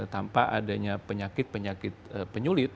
tanpa adanya penyakit penyakit penyulit